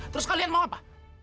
terus kalian mau apa